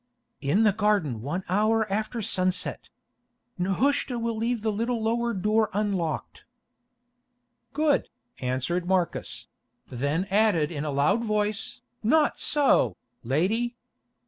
"In the garden one hour after sunset. Nehushta will leave the little lower door unlocked." "Good," answered Marcus; then added in a loud voice, "Not so, lady.